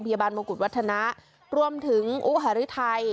โปรดติดตามตอนต่อไป